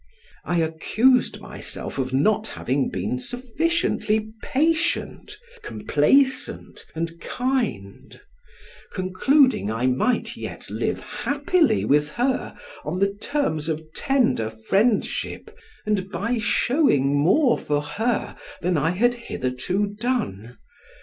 I accused myself of not having been sufficiently patient, complaisant and kind; concluding I might yet live happily with her on the terms of tender friendship, and by showing more for her than I had hitherto done.